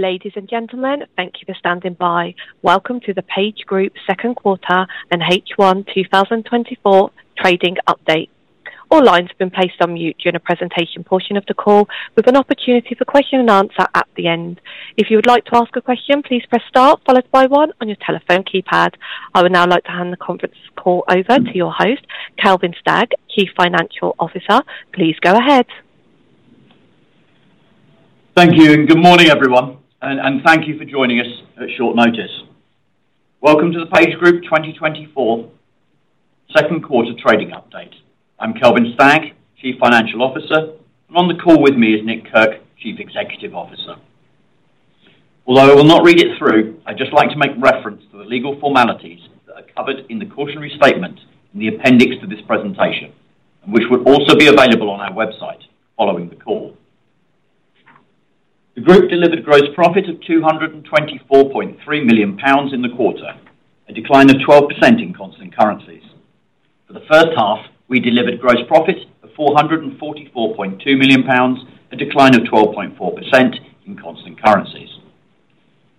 Ladies and gentlemen, thank you for standing by. Welcome to the PageGroup Second Quarter and H1 2024 Trading Update. All lines have been placed on mute during the presentation portion of the call, with an opportunity for question and answer at the end. If you would like to ask a question, please press star followed by one on your telephone keypad. I would now like to hand the conference call over to your host, Kelvin Stagg, Chief Financial Officer. Please go ahead. Thank you, and good morning, everyone, and thank you for joining us at short notice. Welcome to the PageGroup 2024 Second Quarter Trading Update. I'm Kelvin Stagg, Chief Financial Officer, and on the call with me is Nick Kirk, Chief Executive Officer. Although I will not read it through, I'd just like to make reference to the legal formalities that are covered in the cautionary statement in the appendix to this presentation, which would also be available on our website following the call. The group delivered gross profit of 224.3 million pounds in the quarter, a decline of 12% in constant currencies. For the first half, we delivered gross profit of GBP 444.2 million, a decline of 12.4% in constant currencies.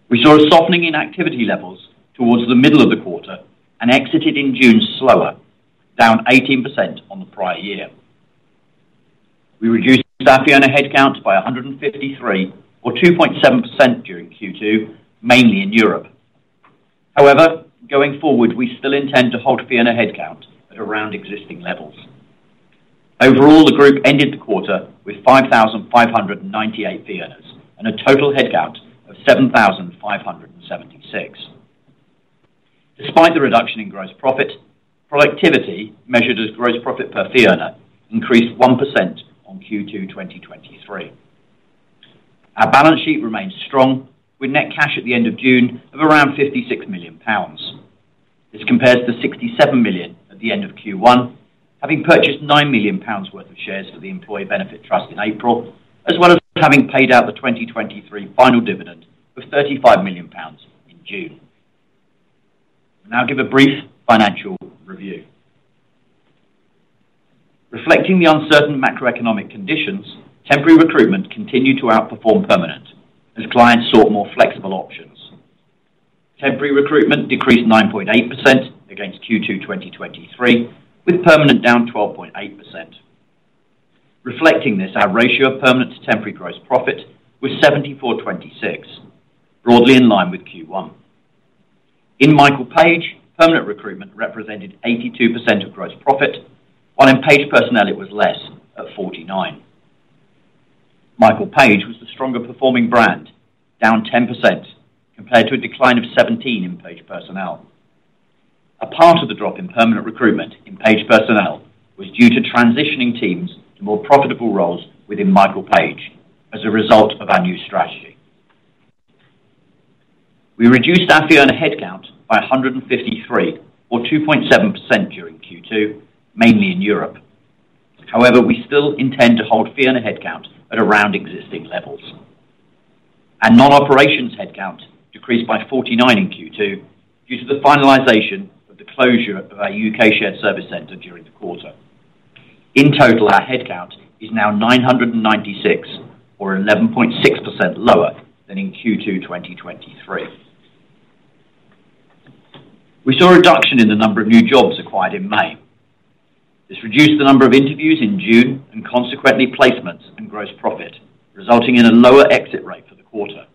We saw a softening in activity levels towards the middle of the quarter and exited in June slower, down 18% on the prior year. We reduced fee earner headcount by 153, or 2.7% during Q2, mainly in Europe. However, going forward, we still intend to fee earner headcount at around existing levels. Overall, the group ended the quarter with fee earners and a total headcount of 7,576. Despite the reduction in gross profit, productivity, measured as gross profit fee earner, increased 1% on Q2 2023. Our balance sheet remained strong, with net cash at the end of June of around 56 million pounds. This compares to the 67 million at the end of Q1, having purchased 9 million pounds worth of shares for the Employee Benefit Trust in April, as well as having paid out the 2023 final dividend of 35 million pounds in June. I'll now give a brief financial review. Reflecting the uncertain macroeconomic conditions, temporary recruitment continued to outperform permanent, as clients sought more flexible options. Temporary recruitment decreased 9.8% against Q2 2023, with permanent down 12.8%. Reflecting this, our ratio of permanent to temporary gross profit was 74/26, broadly in line with Q1. In Michael Page, permanent recruitment represented 82% of gross profit, while in Page Personnel it was less, at 49%. Michael Page was the stronger performing brand, down 10%, compared to a decline of 17% in Page Personnel. A part of the drop in permanent recruitment in Page Personnel was due to transitioning teams to more profitable roles within Michael Page as a result of our new strategy. We reduced fee earner headcount by 153, or 2.7%, during Q2, mainly in Europe. However, we still intend to fee earner headcount at around existing levels. Our non-operations headcount decreased by 49% in Q2 due to the finalization of the closure of our U.K. shared service center during the quarter. In total, our headcount is now 996, or 11.6% lower than in Q2 2023. We saw a reduction in the number of new jobs acquired in May. This reduced the number of interviews in June and consequently placements and gross profit, resulting in a lower exit rate for the quarter.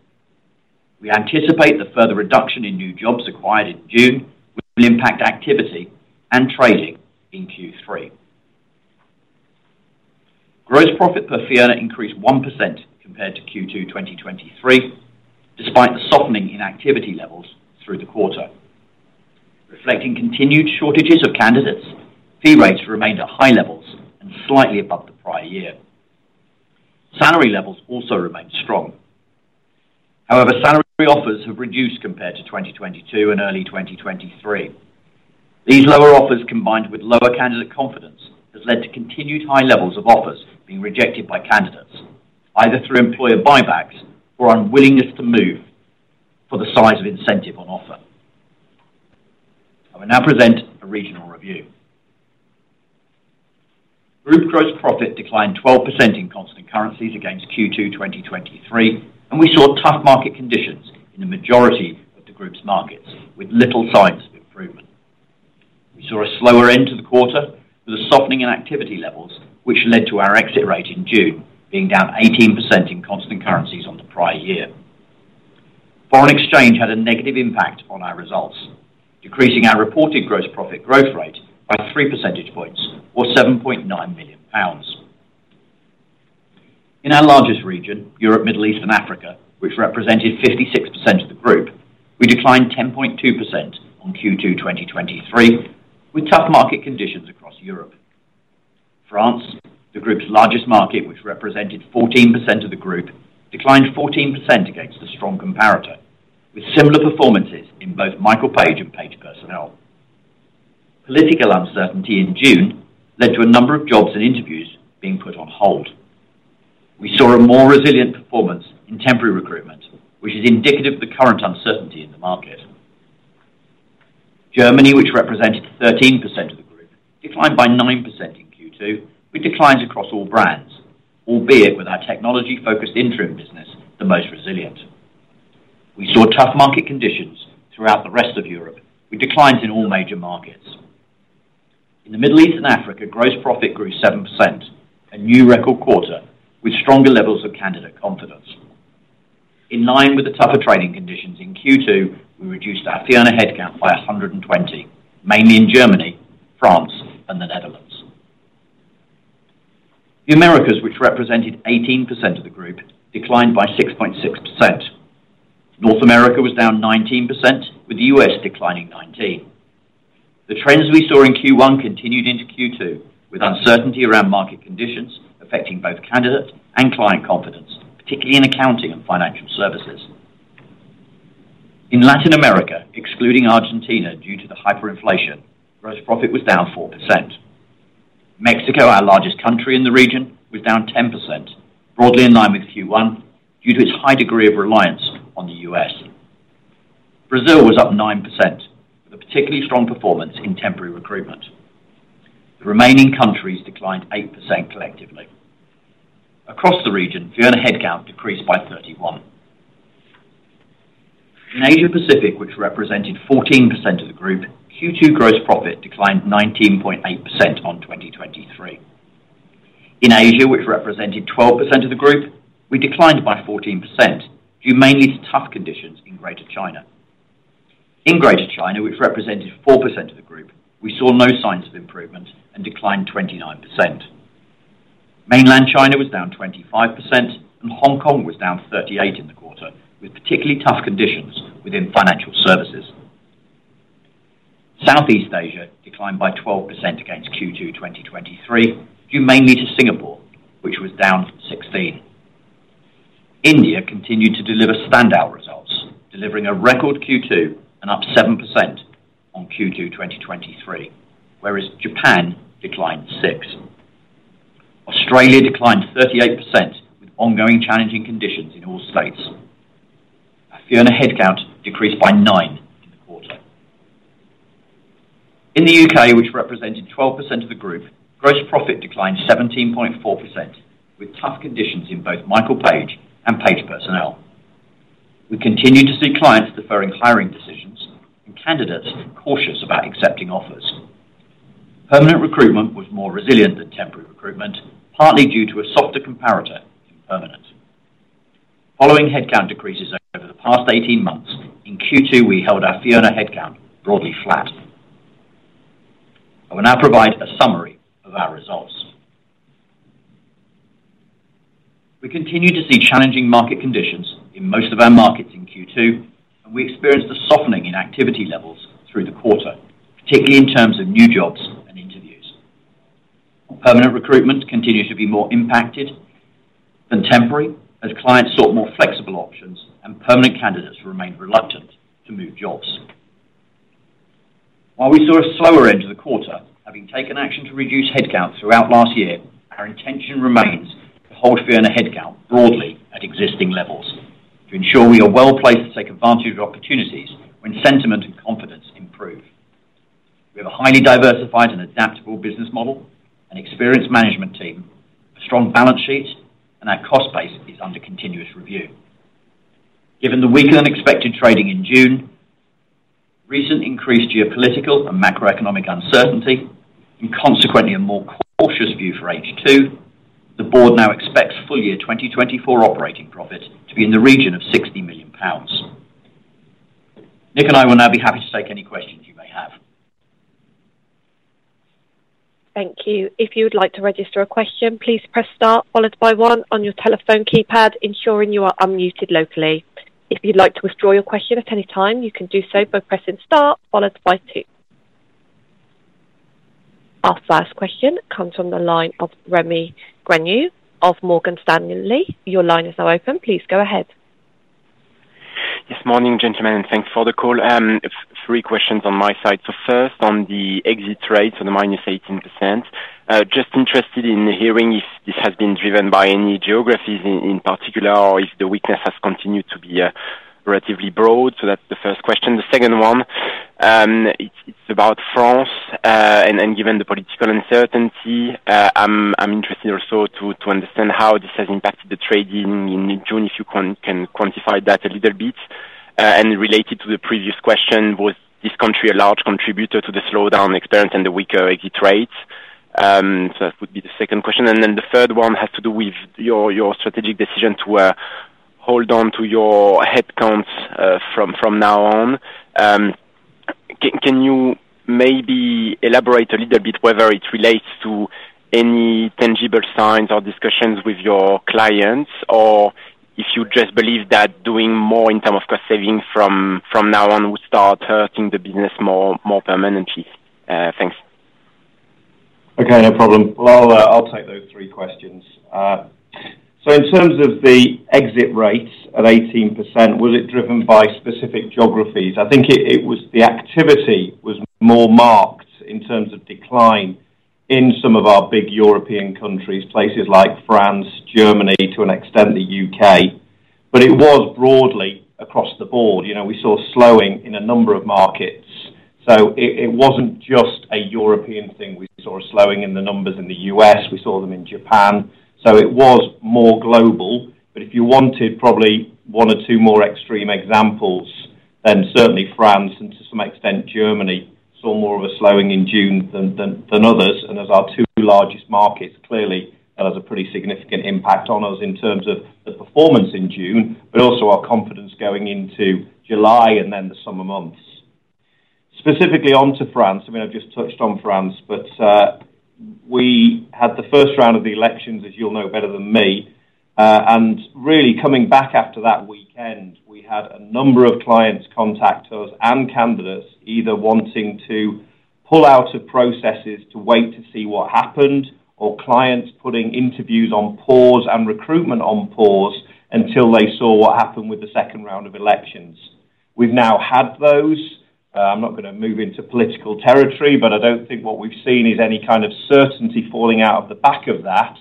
We anticipate the further reduction in new jobs acquired in June will impact activity and trading in Q3. Gross profit fee earner increased 1% compared to Q2 2023, despite the softening in activity levels through the quarter. Reflecting continued shortages of candidates, fee rates remained at high levels and slightly above the prior year. Salary levels also remained strong. However, salary offers have reduced compared to 2022 and early 2023. These lower offers, combined with lower candidate confidence, have led to continued high levels of offers being rejected by candidates, either through employer buybacks or unwillingness to move for the size of incentive on offer. I will now present a regional review. Group gross profit declined 12% in constant currencies against Q2 2023, and we saw tough market conditions in the majority of the group's markets, with little signs of improvement. We saw a slower end to the quarter with a softening in activity levels, which led to our exit rate in June being down 18% in constant currencies on the prior year. Foreign exchange had a negative impact on our results, decreasing our reported gross profit growth rate by 3 percentage points, or 7.9 million pounds. In our largest region, Europe, Middle East, and Africa, which represented 56% of the group, we declined 10.2% on Q2 2023, with tough market conditions across Europe. France, the group's largest market, which represented 14% of the group, declined 14% against a strong comparator, with similar performances in both Michael Page and Page Personnel. Political uncertainty in June led to a number of jobs and interviews being put on hold. We saw a more resilient performance in temporary recruitment, which is indicative of the current uncertainty in the market. Germany, which represented 13% of the group, declined by 9% in Q2, with declines across all brands, albeit with our technology-focused interim business the most resilient. We saw tough market conditions throughout the rest of Europe, with declines in all major markets. In the Middle East and Africa, gross profit grew 7%, a new record quarter, with stronger levels of candidate confidence. In line with the tougher trading conditions in Q2, we reduced fee earner headcount by 120, mainly in Germany, France, and the Netherlands. The Americas, which represented 18% of the group, declined by 6.6%. North America was down 19%, with the U.S. declining 19%. The trends we saw in Q1 continued into Q2, with uncertainty around market conditions affecting both candidate and client confidence, particularly in accounting and financial services. In Latin America, excluding Argentina due to the hyperinflation, gross profit was down 4%. Mexico, our largest country in the region, was down 10%, broadly in line with Q1 due to its high degree of reliance on the U.S. Brazil was up 9%, with a particularly strong performance in temporary recruitment. The remaining countries declined 8% collectively. Across the fee earner headcount decreased by 31%. In Asia-Pacific, which represented 14% of the group, Q2 gross profit declined 19.8% on 2023. In Asia, which represented 12% of the group, we declined by 14% due mainly to tough conditions in Greater China. In Greater China, which represented 4% of the group, we saw no signs of improvement and declined 29%. Mainland China was down 25%, and Hong Kong was down 38% in the quarter, with particularly tough conditions within financial services. Southeast Asia declined by 12% against Q2 2023, due mainly to Singapore, which was down 16%. India continued to deliver standout results, delivering a record Q2 and up 7% on Q2 2023, whereas Japan declined 6%. Australia declined 38%, with ongoing challenging conditions in all states. fee earner headcount decreased by 9% in the quarter. In the U.K., which represented 12% of the group, gross profit declined 17.4%, with tough conditions in both Michael Page and Page Personnel. We continued to see clients deferring hiring decisions and candidates cautious about accepting offers. Permanent recruitment was more resilient than temporary recruitment, partly due to a softer comparator in permanent. Following headcount decreases over the past 18 months, in Q2 we held fee earner headcount broadly flat. I will now provide a summary of our results. We continued to see challenging market conditions in most of our markets in Q2, and we experienced a softening in activity levels through the quarter, particularly in terms of new jobs and interviews. Permanent recruitment continued to be more impacted than temporary, as clients sought more flexible options and permanent candidates remained reluctant to move jobs. While we saw a slower end to the quarter, having taken action to reduce headcount throughout last year, our intention remains to fee earner headcount broadly at existing levels to ensure we are well placed to take advantage of opportunities when sentiment and confidence improve. We have a highly diversified and adaptable business model, an experienced management team, a strong balance sheet, and our cost base is under continuous review. Given the weaker-than-expected trading in June, recent increased geopolitical and macroeconomic uncertainty, and consequently a more cautious view for H2, the board now expects full year 2024 operating profit to be in the region of 60 million pounds. Nick and I will now be happy to take any questions you may have. Thank you. If you would like to register a question, please press star followed by one on your telephone keypad, ensuring you are unmuted locally. If you'd like to withdraw your question at any time, you can do so by pressing star followed by two. Our first question comes from the line of Anvesh Agrawal of Morgan Stanley. Your line is now open. Please go ahead. Yes, morning, gentlemen, and thanks for the call. Three questions on my side. So first, on the exit rates on the -18%, just interested in hearing if this has been driven by any geographies in particular, or if the weakness has continued to be relatively broad. So that's the first question. The second one, it's about France, and given the political uncertainty, I'm interested also to understand how this has impacted the trading in June, if you can quantify that a little bit. And related to the previous question, was this country a large contributor to the slowdown experience and the weaker exit rates? So that would be the second question. And then the third one has to do with your strategic decision to hold on to your headcounts from now on. Can you maybe elaborate a little bit whether it relates to any tangible signs or discussions with your clients, or if you just believe that doing more in terms of cost savings from now on would start hurting the business more permanently? Thanks. Okay, no problem. I'll take those three questions. So in terms of the exit rates at 18%, was it driven by specific geographies? I think the activity was more marked in terms of decline in some of our big European countries, places like France, Germany, to an extent the U.K., but it was broadly across the board. We saw slowing in a number of markets. So it wasn't just a European thing. We saw a slowing in the numbers in the U.S. We saw them in Japan. So it was more global. But if you wanted probably one or two more extreme examples, then certainly France and to some extent Germany saw more of a slowing in June than others. As our two largest markets, clearly that has a pretty significant impact on us in terms of the performance in June, but also our confidence going into July and then the summer months. Specifically onto France, I mean, I've just touched on France, but we had the first round of the elections, as you'll know better than me. Really coming back after that weekend, we had a number of clients contact us and candidates either wanting to pull out of processes to wait to see what happened, or clients putting interviews on pause and recruitment on pause until they saw what happened with the second round of elections. We've now had those. I'm not going to move into political territory, but I don't think what we've seen is any kind of certainty falling out of the back of that.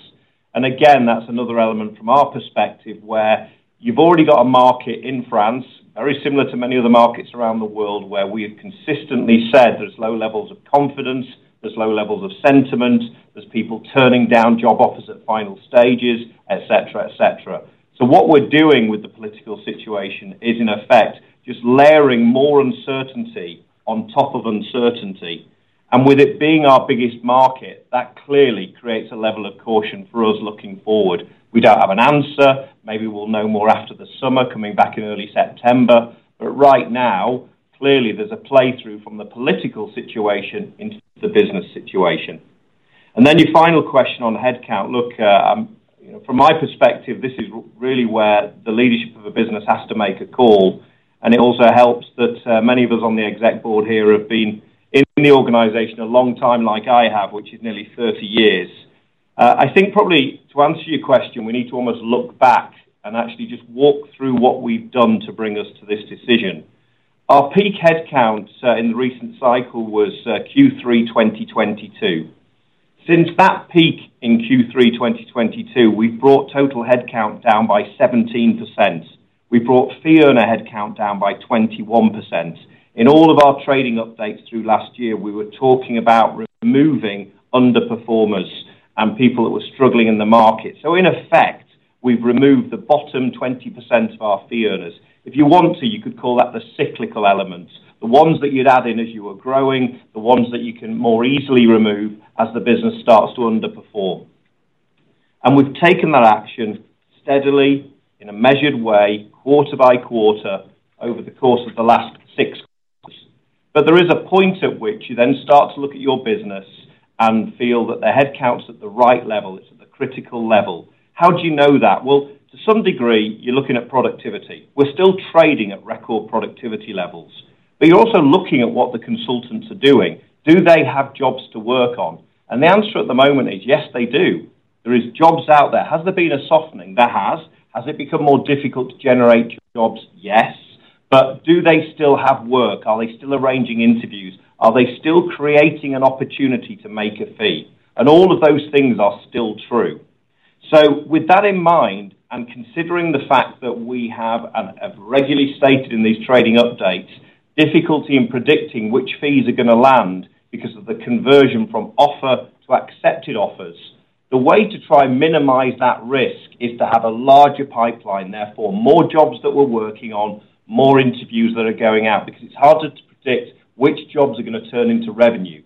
And again, that's another element from our perspective where you've already got a market in France, very similar to many of the markets around the world where we have consistently said there's low levels of confidence, there's low levels of sentiment, there's people turning down job offers at final stages, etc., etc. So what we're doing with the political situation is, in effect, just layering more uncertainty on top of uncertainty. And with it being our biggest market, that clearly creates a level of caution for us looking forward. We don't have an answer. Maybe we'll know more after the summer coming back in early September. But right now, clearly there's a playthrough from the political situation into the business situation. And then your final question on headcount, look, from my perspective, this is really where the leadership of a business has to make a call. It also helps that many of us on the exec board here have been in the organization a long time, like I have, which is nearly 30 years. I think probably to answer your question, we need to almost look back and actually just walk through what we've done to bring us to this decision. Our peak headcount in the recent cycle was Q3 2022. Since that peak in Q3 2022, we've brought total headcount down by 17%. We fee earner headcount down by 21%. In all of our trading updates through last year, we were talking about removing underperformers and people that were struggling in the market. In effect, we've removed the bottom 20% of our fee earners. If you want to, you could call that the cyclical elements, the ones that you'd add in as you were growing, the ones that you can more easily remove as the business starts to underperform. We've taken that action steadily in a measured way, quarter by quarter over the course of the last six quarters. But there is a point at which you then start to look at your business and feel that the headcount's at the right level. It's at the critical level. How do you know that? Well, to some degree, you're looking at productivity. We're still trading at record productivity levels, but you're also looking at what the consultants are doing. Do they have jobs to work on? And the answer at the moment is, yes, they do. There are jobs out there. Has there been a softening? There has. Has it become more difficult to generate jobs? Yes. But do they still have work? Are they still arranging interviews? Are they still creating an opportunity to make a fee? And all of those things are still true. So with that in mind and considering the fact that we have regularly stated in these trading updates difficulty in predicting which fees are going to land because of the conversion from offer to accepted offers, the way to try and minimize that risk is to have a larger pipeline, therefore more jobs that we're working on, more interviews that are going out, because it's harder to predict which jobs are going to turn into revenue.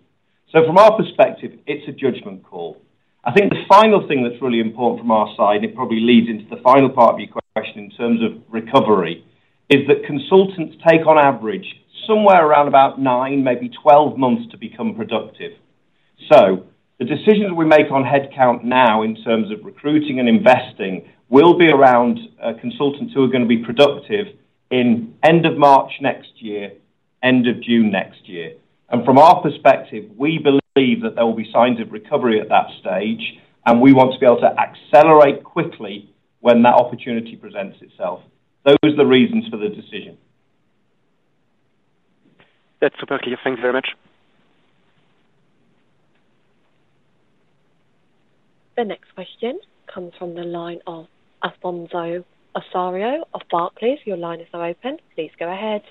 So from our perspective, it's a judgment call. I think the final thing that's really important from our side, and it probably leads into the final part of your question in terms of recovery, is that consultants take on average somewhere around about nine, maybe 12 months to become productive. So the decisions we make on headcount now in terms of recruiting and investing will be around consultants who are going to be productive in end of March next year, end of June next year. And from our perspective, we believe that there will be signs of recovery at that stage, and we want to be able to accelerate quickly when that opportunity presents itself. Those are the reasons for the decision. That's perfect. Thank you very much. The next question comes from the line of Afonso Osorio of Barclays. Your line is now open. Please go ahead.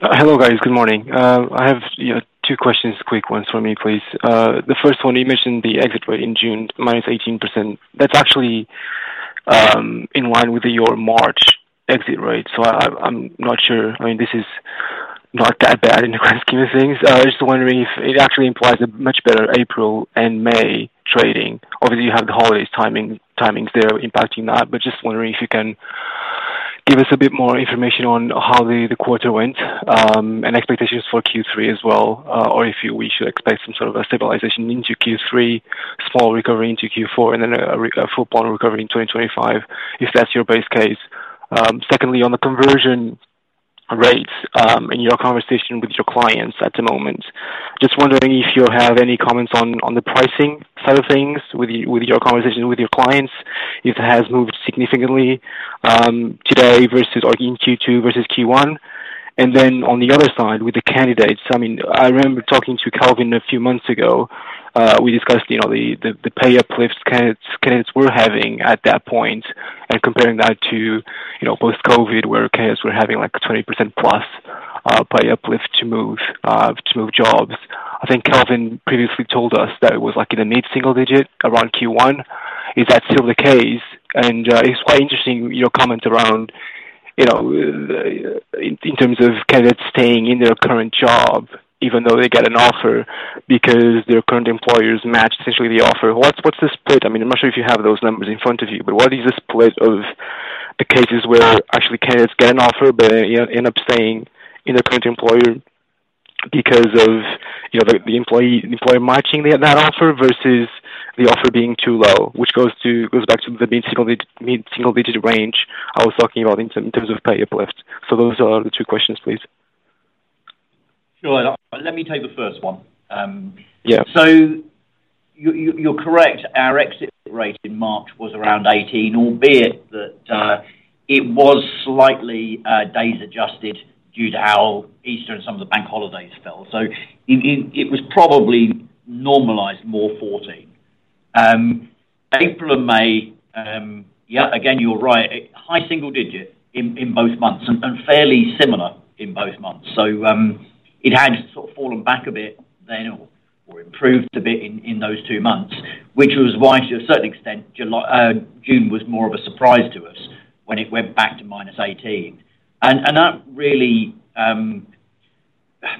Hello guys. Good morning. I have two questions, quick ones for me, please. The first one, you mentioned the exit rate in June, -18%. That's actually in line with your March exit rate. So I'm not sure. I mean, this is not that bad in the grand scheme of things. I was just wondering if it actually implies a much better April and May trading. Obviously, you have the holidays timings there impacting that, but just wondering if you can give us a bit more information on how the quarter went and expectations for Q3 as well, or if we should expect some sort of a stabilization into Q3, small recovery into Q4, and then a full-blown recovery in 2025, if that's your base case. Secondly, on the conversion rates in your conversation with your clients at the moment, just wondering if you have any comments on the pricing side of things with your conversation with your clients, if it has moved significantly today versus in Q2 versus Q1. And then on the other side with the candidates, I mean, I remember talking to Kelvin a few months ago. We discussed the pay uplifts candidates were having at that point and comparing that to post-COVID where candidates were having like 20% plus pay uplift to move jobs. I think Kelvin previously told us that it was like in the mid-single digit around Q1. Is that still the case? And it's quite interesting your comments around in terms of candidates staying in their current job even though they get an offer because their current employers match essentially the offer. What's the split? I mean, I'm not sure if you have those numbers in front of you, but what is the split of the cases where actually candidates get an offer but end up staying in their current employer because of the employer matching that offer versus the offer being too low, which goes back to the mid-single-digit range I was talking about in terms of pay uplift. Those are the two questions, please. Sure. Let me take the first one. So you're correct. Our exit rate in March was around 18, albeit that it was slightly days adjusted due to how Easter and some of the bank holidays fell. So it was probably normalized more like 14. April and May, yeah, again, you're right, high single digit in both months and fairly similar in both months. So it had sort of fallen back a bit then or improved a bit in those two months, which was why to a certain extent June was more of a surprise to us when it went back to -18. That really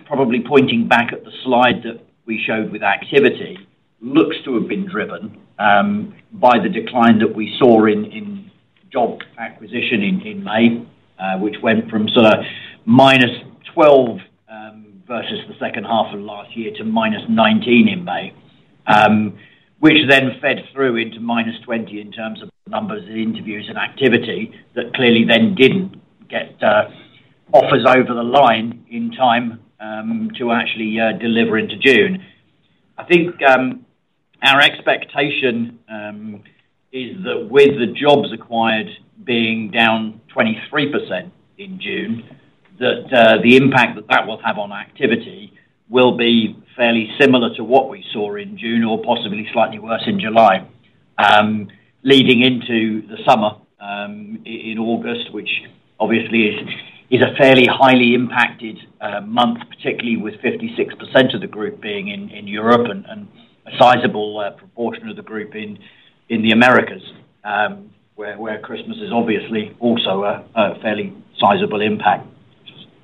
probably pointing back at the slide that we showed with activity looks to have been driven by the decline that we saw in job acquisition in May, which went from sort of -12 versus the second half of last year to -19 in May, which then fed through into -20 in terms of numbers and interviews and activity that clearly then didn't get offers over the line in time to actually deliver into June. I think our expectation is that with the jobs acquired being down 23% in June, that the impact that that will have on activity will be fairly similar to what we saw in June or possibly slightly worse in July, leading into the summer in August, which obviously is a fairly highly impacted month, particularly with 56% of the group being in Europe and a sizable proportion of the group in the Americas where Christmas is obviously also a fairly sizable impact,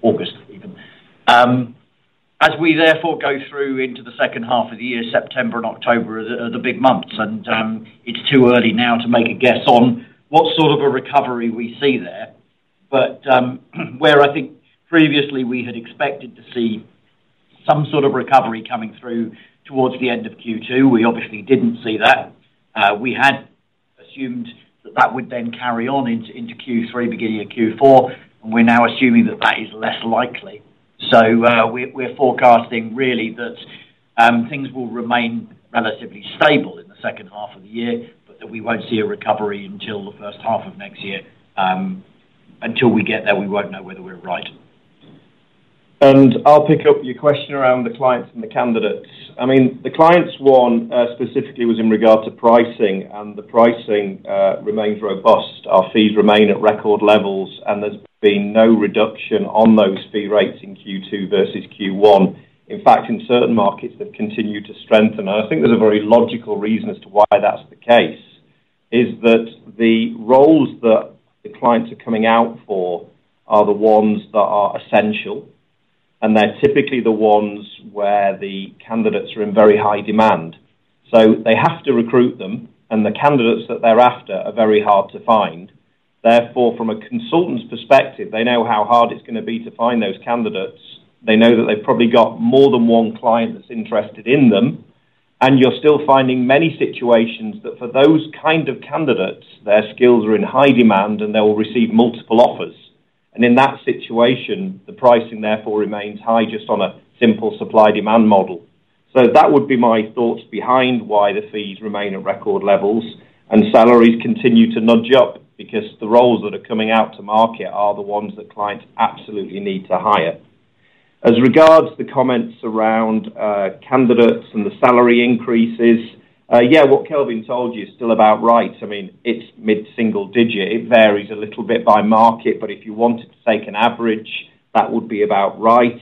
August even. As we therefore go through into the second half of the year, September and October are the big months, and it's too early now to make a guess on what sort of a recovery we see there. But where I think previously we had expected to see some sort of recovery coming through towards the end of Q2, we obviously didn't see that. We had assumed that that would then carry on into Q3, beginning of Q4, and we're now assuming that that is less likely. So we're forecasting really that things will remain relatively stable in the second half of the year, but that we won't see a recovery until the first half of next year. Until we get there, we won't know whether we're right. I'll pick up your question around the clients and the candidates. I mean, the clients one specifically was in regard to pricing, and the pricing remains robust. Our fees remain at record levels, and there's been no reduction on those fee rates in Q2 versus Q1. In fact, in certain markets, they've continued to strengthen. I think there's a very logical reason as to why that's the case, is that the roles that the clients are coming out for are the ones that are essential, and they're typically the ones where the candidates are in very high demand. So they have to recruit them, and the candidates that they're after are very hard to find. Therefore, from a consultant's perspective, they know how hard it's going to be to find those candidates. They know that they've probably got more than one client that's interested in them. You're still finding many situations that for those kind of candidates, their skills are in high demand, and they will receive multiple offers. In that situation, the pricing therefore remains high just on a simple supply-demand model. That would be my thoughts behind why the fees remain at record levels and salaries continue to nudge up because the roles that are coming out to market are the ones that clients absolutely need to hire. As regards the comments around candidates and the salary increases, yeah, what Kelvin told you is still about right. I mean, it's mid-single digit. It varies a little bit by market, but if you wanted to take an average, that would be about right.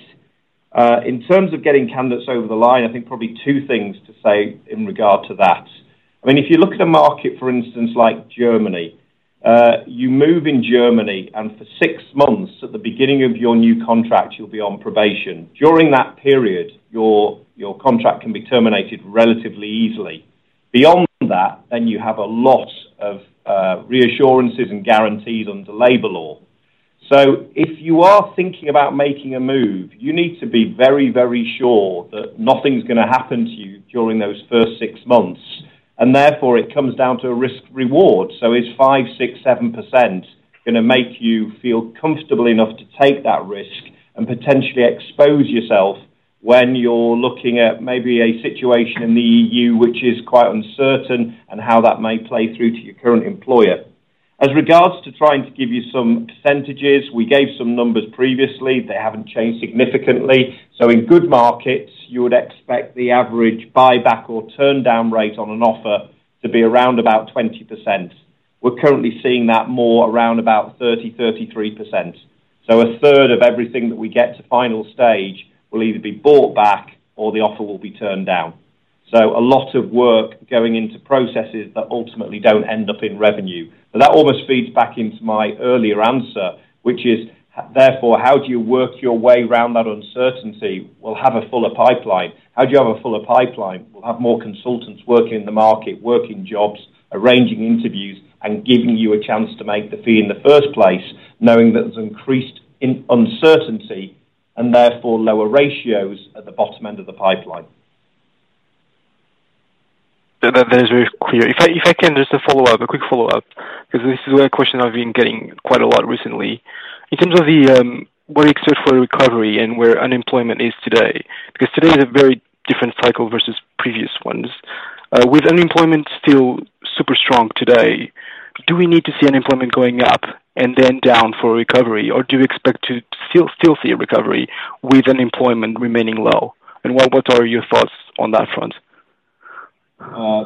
In terms of getting candidates over the line, I think probably two things to say in regard to that. I mean, if you look at a market, for instance, like Germany, you move in Germany, and for six months at the beginning of your new contract, you'll be on probation. During that period, your contract can be terminated relatively easily. Beyond that, then you have a lot of reassurances and guarantees under labor law. So if you are thinking about making a move, you need to be very, very sure that nothing's going to happen to you during those first six months. And therefore, it comes down to a risk-reward. So is 5%, 6%, 7% going to make you feel comfortable enough to take that risk and potentially expose yourself when you're looking at maybe a situation in the EU, which is quite uncertain, and how that may play through to your current employer? As regards to trying to give you some percentages, we gave some numbers previously. They haven't changed significantly. So in good markets, you would expect the average buyback or turn down rate on an offer to be around about 20%. We're currently seeing that more around about 30%-33%. So a third of everything that we get to final stage will either be bought back or the offer will be turned down. So a lot of work going into processes that ultimately don't end up in revenue. But that almost feeds back into my earlier answer, which is therefore, how do you work your way around that uncertainty? We'll have a fuller pipeline. How do you have a fuller pipeline? We'll have more consultants working in the market, working jobs, arranging interviews, and giving you a chance to make the fee in the first place, knowing that there's increased uncertainty and therefore lower ratios at the bottom end of the pipeline. If I can, just a follow-up, a quick follow-up, because this is a question I've been getting quite a lot recently. In terms of where we expect for a recovery and where unemployment is today, because today is a very different cycle versus previous ones. With unemployment still super strong today, do we need to see unemployment going up and then down for a recovery, or do we expect to still see a recovery with unemployment remaining low? And what are your thoughts on that front?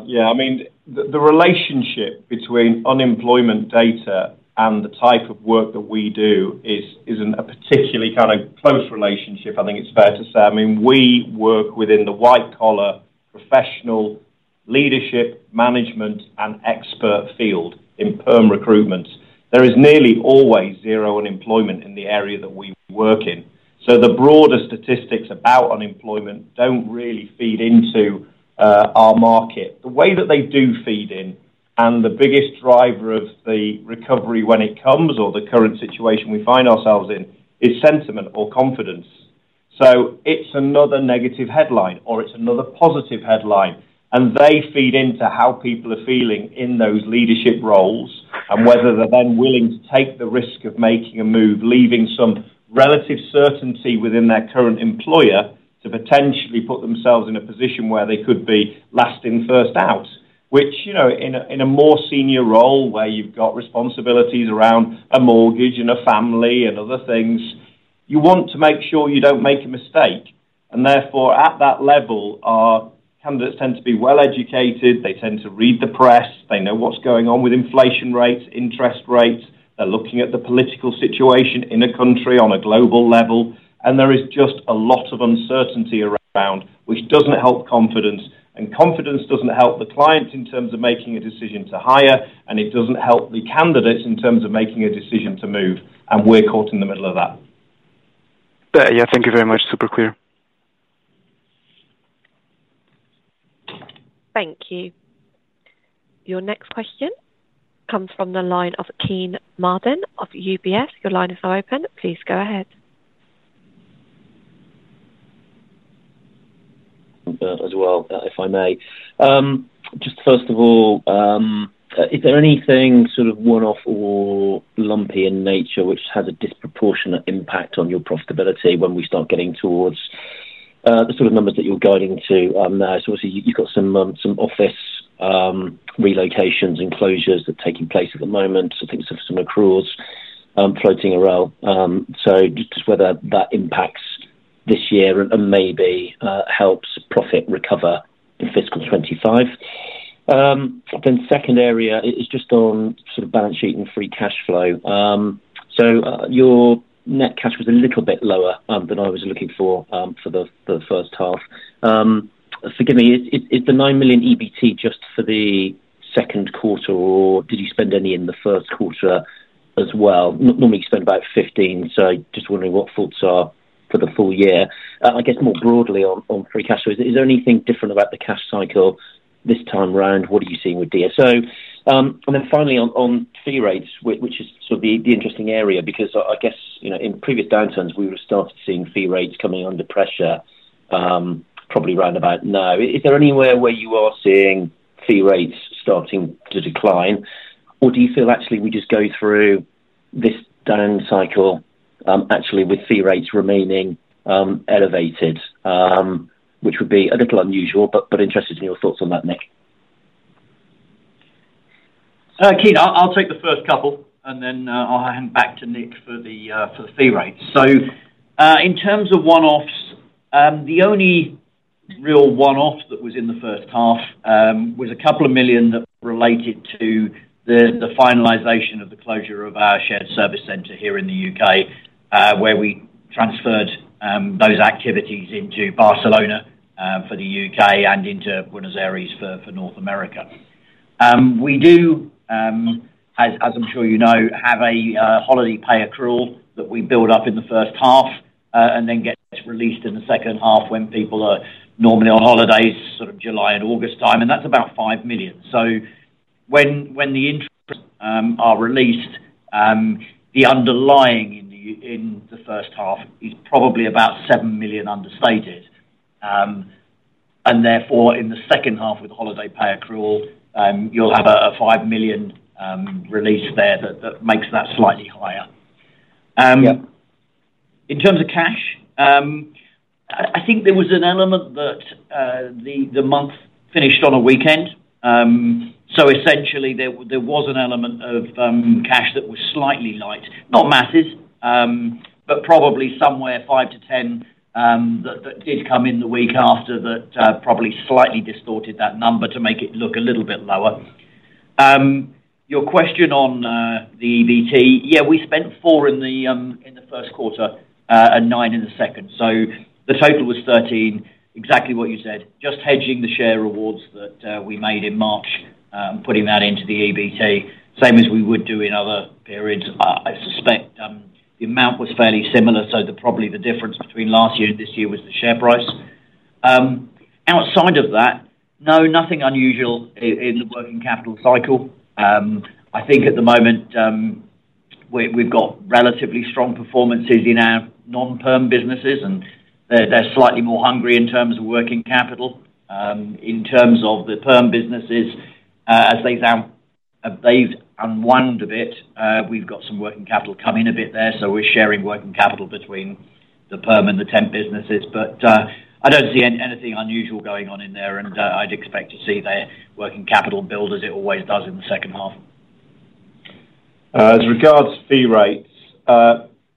Yeah. I mean, the relationship between unemployment data and the type of work that we do isn't a particularly kind of close relationship, I think it's fair to say. I mean, we work within the white-collar professional leadership, management, and expert field in perm recruitment. There is nearly always zero unemployment in the area that we work in. So the broader statistics about unemployment don't really feed into our market. The way that they do feed in, and the biggest driver of the recovery when it comes or the current situation we find ourselves in is sentiment or confidence. So it's another negative headline, or it's another positive headline, and they feed into how people are feeling in those leadership roles and whether they're then willing to take the risk of making a move, leaving some relative certainty within their current employer to potentially put themselves in a position where they could be last in, first out, which in a more senior role where you've got responsibilities around a mortgage and a family and other things, you want to make sure you don't make a mistake. And therefore, at that level, candidates tend to be well educated. They tend to read the press. They know what's going on with inflation rates, interest rates. They're looking at the political situation in a country on a global level. And there is just a lot of uncertainty around, which doesn't help confidence. Confidence doesn't help the clients in terms of making a decision to hire, and it doesn't help the candidates in terms of making a decision to move. We're caught in the middle of that. Yeah. Thank you very much. Super clear. Thank you. Your next question comes from the line of Kean Marden of Jefferies. Your line is now open. Please go ahead. As well, if I may. Just first of all, is there anything sort of one-off or lumpy in nature which has a disproportionate impact on your profitability when we start getting towards the sort of numbers that you're guiding to? So obviously, you've got some office relocations and closures that are taking place at the moment. I think some accruals floating around. So just whether that impacts this year and maybe helps profit recover in fiscal 2025. Then second area is just on sort of balance sheet and free cash flow. So your net cash was a little bit lower than I was looking for for the first half. Forgive me. Is the 9 million EBT just for the second quarter, or did you spend any in the first quarter as well? Normally, you spend about 15 million, so just wondering what thoughts are for the full year. I guess more broadly on free cash flows, is there anything different about the cash cycle this time around? What are you seeing with DSO? And then finally, on fee rates, which is sort of the interesting area because I guess in previous downturns, we were starting to see fee rates coming under pressure, probably round about now. Is there anywhere where you are seeing fee rates starting to decline, or do you feel actually we just go through this down cycle actually with fee rates remaining elevated, which would be a little unusual, but interested in your thoughts on that, Nick? Kean, I'll take the first couple, and then I'll hand back to Nick for the fee rates. So in terms of one-offs, the only real one-off that was in the first half was 2 million that related to the finalization of the closure of our shared service center here in the U.K., where we transferred those activities into Barcelona for the U.K. and into Buenos Aires for North America. We do, as I'm sure you know, have a holiday pay accrual that we build up in the first half and then get released in the second half when people are normally on holidays, sort of July and August time. And that's about 5 million. So when the accruals are released, the underlying in the first half is probably about 7 million understated. And therefore, in the second half with the holiday pay accrual, you'll have a 5 million release there that makes that slightly higher. In terms of cash, I think there was an element that the month finished on a weekend. So essentially, there was an element of cash that was slightly light, not massive, but probably somewhere 5 million-10 million that did come in the week after, that probably slightly distorted that number to make it look a little bit lower. Your question on the EBT, yeah, we spent 4 million in the first quarter and 9 million in the second. So the total was 13 million, exactly what you said, just hedging the share rewards that we made in March, putting that into the EBT, same as we would do in other periods. I suspect the amount was fairly similar. So probably the difference between last year and this year was the share price. Outside of that, no, nothing unusual in the working capital cycle. I think at the moment, we've got relatively strong performances in our non-perm businesses, and they're slightly more hungry in terms of working capital. In terms of the perm businesses, as they've unwound a bit, we've got some working capital coming a bit there. So we're sharing working capital between the perm and the temp businesses. But I don't see anything unusual going on in there, and I'd expect to see their working capital build as it always does in the second half. As regards fee rates,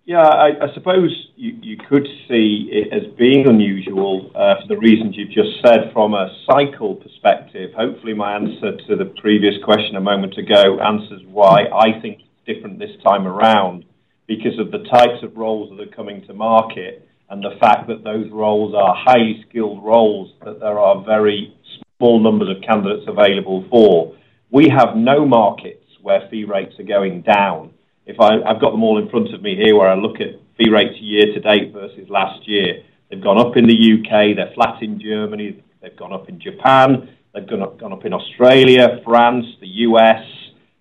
yeah, I suppose you could see it as being unusual for the reasons you've just said from a cycle perspective. Hopefully, my answer to the previous question a moment ago answers why I think it's different this time around because of the types of roles that are coming to market and the fact that those roles are highly skilled roles that there are very small numbers of candidates available for. We have no markets where fee rates are going down. I've got them all in front of me here where I look at fee rates year to date versus last year. They've gone up in the U.K. They're flat in Germany. They've gone up in Japan. They've gone up in Australia, France, the U.S.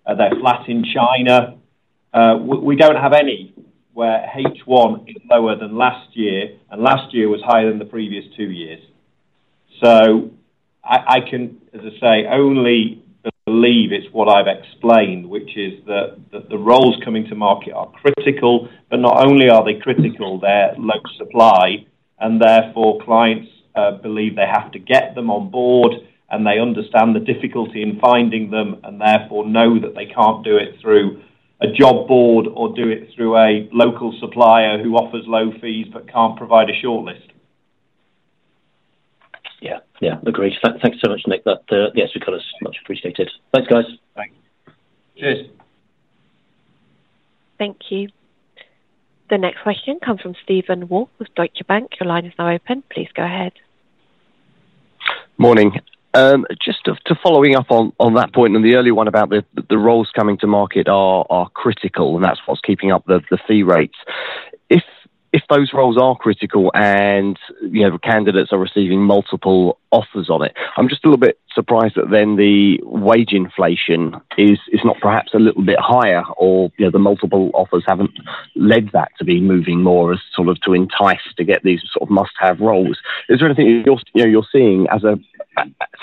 They're flat in China. We don't have anywhere H1 is lower than last year, and last year was higher than the previous two years. So I can, as I say, only believe it's what I've explained, which is that the roles coming to market are critical, but not only are they critical, they're low supply. And therefore, clients believe they have to get them on board, and they understand the difficulty in finding them and therefore know that they can't do it through a job board or do it through a local supplier who offers low fees but can't provide a shortlist. Yeah. Yeah. Agreed. Thanks so much, Nick. Yes, much appreciated. Thanks, guys. Thanks. Cheers. Thank you. The next question comes from Steve Woolf with Deutsche Bank. Your line is now open. Please go ahead. Morning. Just to follow up on that point and the early one about the roles coming to market are critical, and that's what's keeping up the fee rates. If those roles are critical and candidates are receiving multiple offers on it, I'm just a little bit surprised that then the wage inflation is not perhaps a little bit higher or the multiple offers haven't led that to be moving more as sort of to entice to get these sort of must-have roles. Is there anything you're seeing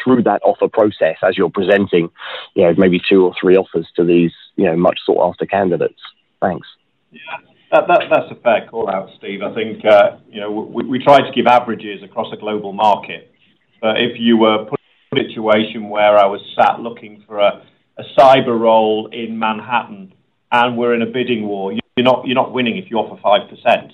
through that offer process as you're presenting maybe two or three offers to these much sought-after candidates? Thanks. That's a fair call-out, Steve. I think we try to give averages across a global market. But if you were put in a situation where I was sat looking for a cyber role in Manhattan and we're in a bidding war, you're not winning if you offer 5%.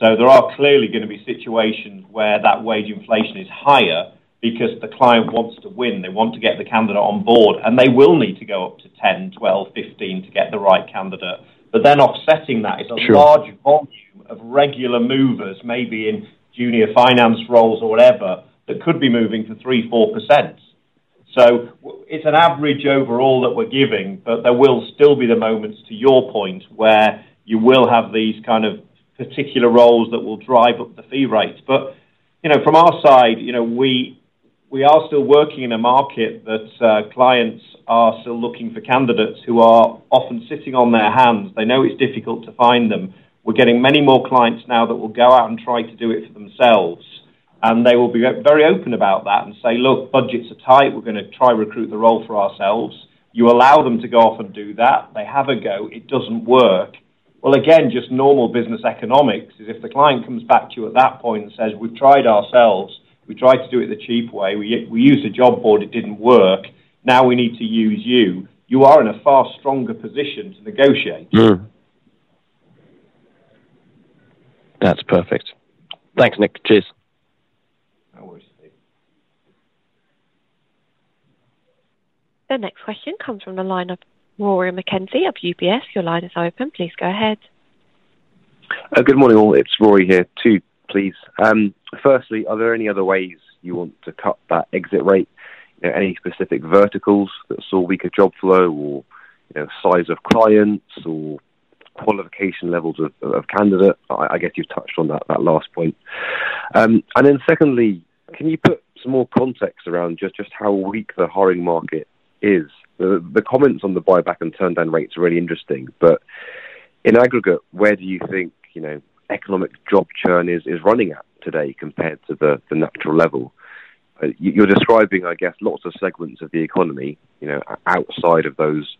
So there are clearly going to be situations where that wage inflation is higher because the client wants to win. They want to get the candidate on board, and they will need to go up to 10%, 12%, 15% to get the right candidate. But then offsetting that is a large volume of regular movers, maybe in junior finance roles or whatever, that could be moving for 3%-4%. So it's an average overall that we're giving, but there will still be the moments, to your point, where you will have these kind of particular roles that will drive up the fee rates. But from our side, we are still working in a market that clients are still looking for candidates who are often sitting on their hands. They know it's difficult to find them. We're getting many more clients now that will go out and try to do it for themselves. And they will be very open about that and say, "Look, budgets are tight. We're going to try to recruit the role for ourselves." You allow them to go off and do that. They have a go. It doesn't work. Well, again, just normal business economics is if the client comes back to you at that point and says, "We've tried ourselves. We tried to do it the cheap way. We used a job board. It didn't work. Now we need to use you." You are in a far stronger position to negotiate. That's perfect. Thanks, Nick. Cheers. No worries, Steve. The next question comes from the line of Rory McKenzie of UBS. Your line is open. Please go ahead. Good morning, all. It's Rory here, too, please. Firstly, are there any other ways you want to cut that exit rate? Any specific verticals that saw weaker job flow or size of clients or qualification levels of candidates? I guess you've touched on that last point. Then secondly, can you put some more context around just how weak the hiring market is? The comments on the buyback and turn-down rates are really interesting. In aggregate, where do you think economic job churn is running at today compared to the natural level? You're describing, I guess, lots of segments of the economy outside of those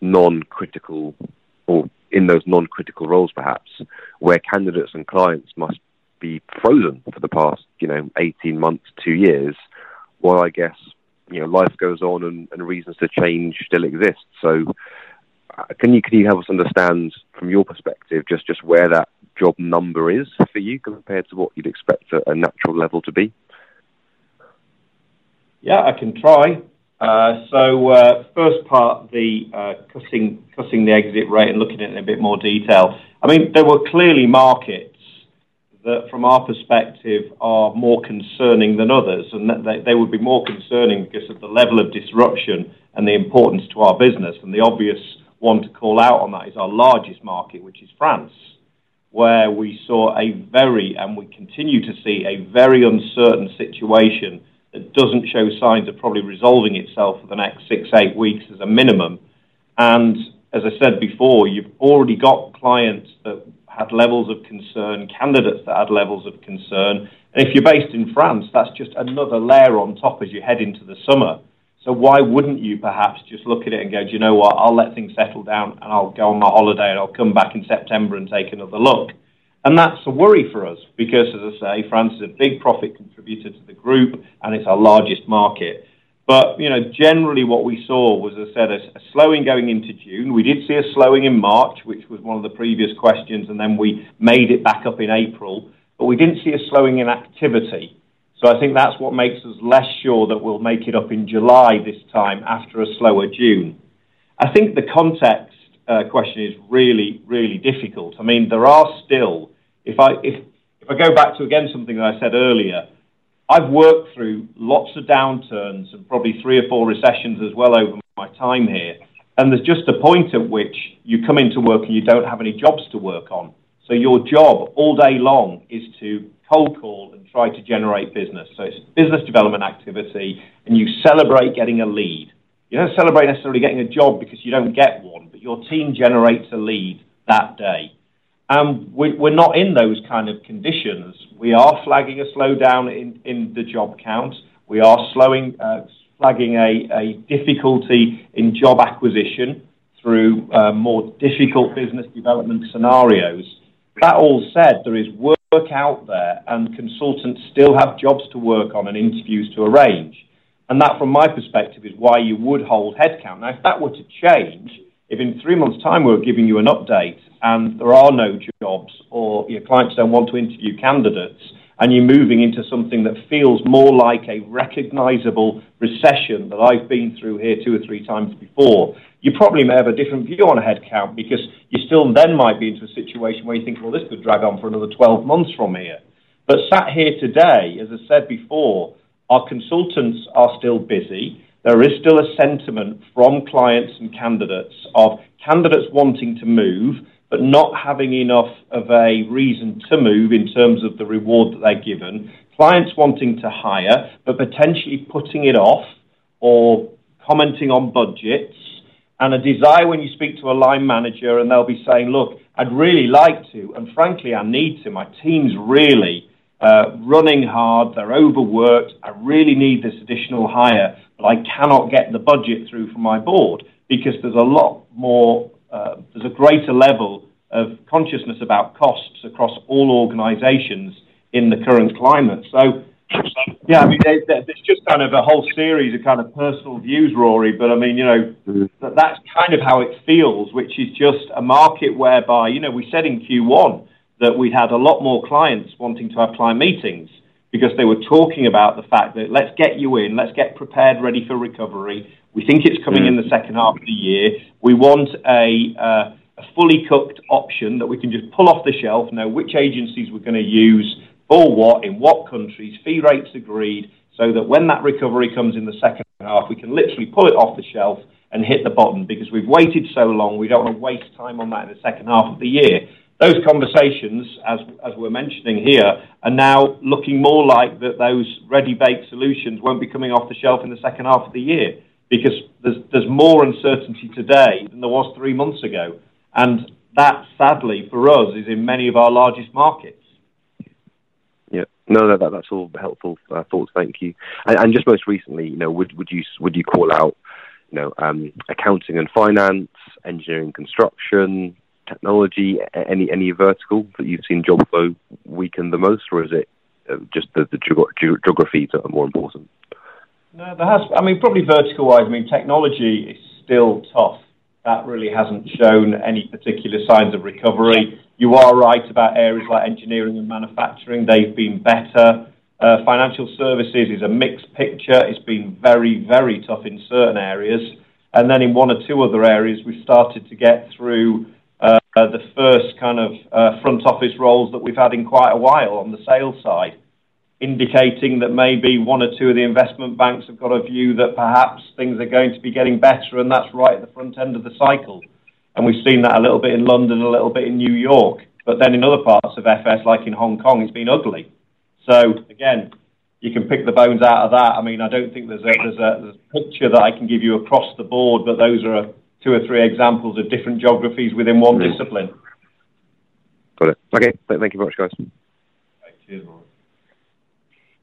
non-critical or in those non-critical roles, perhaps, where candidates and clients must be frozen for the past 18 months, two years, while, I guess, life goes on and reasons to change still exist. Can you help us understand, from your perspective, just where that job number is for you compared to what you'd expect a natural level to be? Yeah, I can try. First part, cutting the exit rate and looking at it in a bit more detail. I mean, there were clearly markets that, from our perspective, are more concerning than others. They would be more concerning because of the level of disruption and the importance to our business. The obvious one to call out on that is our largest market, which is France, where we saw a very, and we continue to see a very uncertain situation that doesn't show signs of probably resolving itself for the next six, eight weeks as a minimum. As I said before, you've already got clients that had levels of concern, candidates that had levels of concern. If you're based in France, that's just another layer on top as you head into the summer. So why wouldn't you perhaps just look at it and go, "Do you know what? I'll let things settle down, and I'll go on my holiday, and I'll come back in September and take another look." And that's a worry for us because, as I say, France is a big profit contributor to the group, and it's our largest market. But generally, what we saw was, as I said, a slowing going into June. We did see a slowing in March, which was one of the previous questions, and then we made it back up in April. But we didn't see a slowing in activity. So I think that's what makes us less sure that we'll make it up in July this time after a slower June. I think the context question is really, really difficult. I mean, there are still - if I go back to, again, something that I said earlier, I've worked through lots of downturns and probably three or four recessions as well over my time here. And there's just a point at which you come into work, and you don't have any jobs to work on. So your job all day long is to cold call and try to generate business. So it's business development activity, and you celebrate getting a lead. You don't celebrate necessarily getting a job because you don't get one, but your team generates a lead that day. And we're not in those kind of conditions. We are flagging a slowdown in the job count. We are flagging a difficulty in job acquisition through more difficult business development scenarios. That all said, there is work out there, and consultants still have jobs to work on and interviews to arrange. And that, from my perspective, is why you would hold headcount. Now, if that were to change, if in three months' time we were giving you an update and there are no jobs or your clients don't want to interview candidates, and you're moving into something that feels more like a recognizable recession that I've been through here two or three times before, you probably may have a different view on headcount because you still then might be into a situation where you think, "Well, this could drag on for another 12 months from here." But sat here today, as I said before, our consultants are still busy. There is still a sentiment from clients and candidates of candidates wanting to move but not having enough of a reason to move in terms of the reward that they're given. Clients wanting to hire but potentially putting it off or commenting on budgets. And a desire when you speak to a line manager, and they'll be saying, "Look, I'd really like to, and frankly, I need to. My team's really running hard. They're overworked. I really need this additional hire, but I cannot get the budget through from my board because there's a lot more, there's a greater level of consciousness about costs across all organizations in the current climate." So yeah, I mean, there's just kind of a whole series of kind of personal views, Rory, but I mean, that's kind of how it feels, which is just a market whereby we said in Q1 that we had a lot more clients wanting to have client meetings because they were talking about the fact that, "Let's get you in. Let's get prepared, ready for recovery. We think it's coming in the second half of the year. We want a fully cooked option that we can just pull off the shelf, know which agencies we're going to use for what, in what countries, fee rates agreed, so that when that recovery comes in the second half, we can literally pull it off the shelf and hit the button because we've waited so long. We don't want to waste time on that in the second half of the year." Those conversations, as we're mentioning here, are now looking more like those ready-bake solutions won't be coming off the shelf in the second half of the year because there's more uncertainty today than there was three months ago. And that, sadly for us, is in many of our largest markets. Yeah. No, that's all helpful thoughts. Thank you. Just most recently, would you call out accounting and finance, engineering, construction, technology, any vertical that you've seen job flow weaken the most, or is it just the geographies that are more important? No, I mean, probably vertical-wise, I mean, technology is still tough. That really hasn't shown any particular signs of recovery. You are right about areas like engineering and manufacturing. They've been better. Financial services is a mixed picture. It's been very, very tough in certain areas. And then in one or two other areas, we've started to get through the first kind of front office roles that we've had in quite a while on the sales side, indicating that maybe one or two of the investment banks have got a view that perhaps things are going to be getting better, and that's right at the front end of the cycle. And we've seen that a little bit in London, a little bit in New York. But then in other parts of FS, like in Hong Kong, it's been ugly. So again, you can pick the bones out of that. I mean, I don't think there's a picture that I can give you across the board, but those are two or three examples of different geographies within one discipline. Got it. Okay. Thank you very much, guys. Thank you, Rory.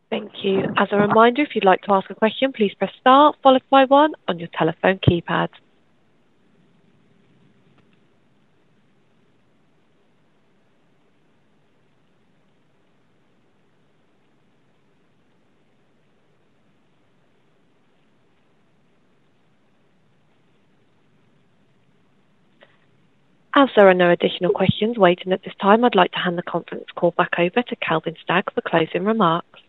Thank you. As a reminder, if you'd like to ask a question, please press star, followed by 1 on your telephone keypad. As there are no additional questions waiting at this time, I'd like to hand the conference call back over to Kelvin Stagg for closing remarks.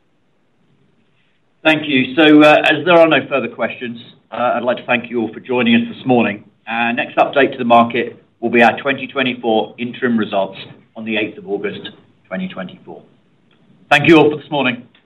Thank you. So as there are no further questions, I'd like to thank you all for joining us this morning. Next update to the market will be our 2024 interim results on the 8th of August, 2024. Thank you all for this morning.